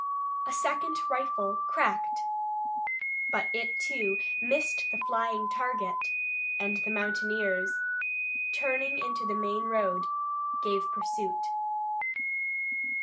A second rifle cracked but it, too, missed the flying target, and the mountaineers, turning into the main road, gave pursuit.